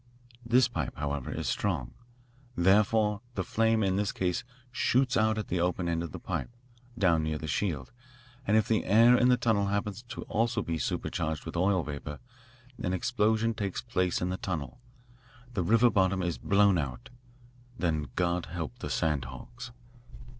This pipe, however, is strong. Therefore, the flame in this case shoots out at the open end of the pipe, down near the shield, and if the air in the tunnel happens also to be surcharged with oil vapour, an explosion takes place in the tunnel the river bottom is blown out then God help the sand hogs!